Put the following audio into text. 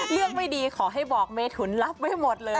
เลือกไม่ดีขอให้บอกเมทุนรับไม่หมดเลย